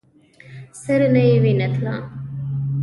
سر نه يې وينه تله.